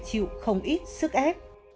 chịu không ít sức ép